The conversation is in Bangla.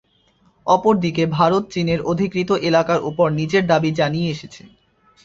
অপর দিকে ভারত চীনের অধিকৃত এলাকার ওপর নিজের দাবী জানিয়ে এসেছে।